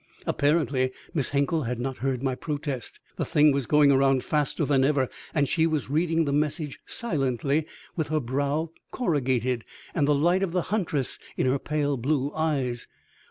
Apparently Miss Hinkle had not heard my protest. The thing was going around faster than ever and she was reading the message silently, with her brow corrugated, and the light of the huntress in her pale blue eyes.